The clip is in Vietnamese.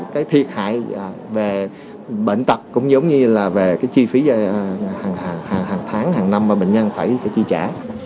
cái thiệt hại về bệnh tật cũng giống như là về cái chi phí hàng tháng hàng năm mà bệnh nhân phải chi trả